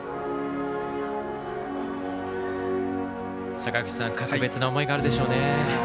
坂口さん、格別な思いがあるでしょうね。